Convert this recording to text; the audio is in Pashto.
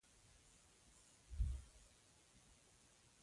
لمسی له ښو اخلاقو نه بېل نه وي.